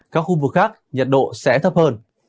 các khu vực khác nhiệt độ sẽ thấp hơn